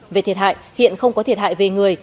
về thiệt hại hiện không có thiệt hại về người